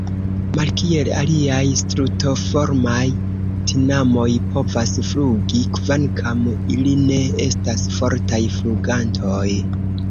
Malkiel aliaj Strutoformaj, tinamoj povas flugi, kvankam ili ne estas fortaj flugantoj.